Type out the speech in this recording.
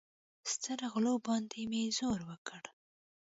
سترغلو باندې مې زور وکړ.